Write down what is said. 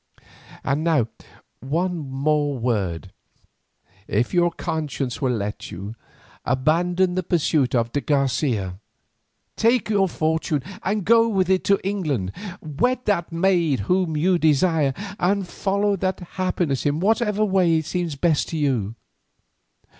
And now one word more. If your conscience will let you, abandon the pursuit of de Garcia. Take your fortune and go with it to England; wed that maid whom you desire, and follow after happiness in whatever way seems best to you.